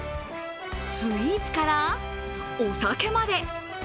スイーツからお酒まで。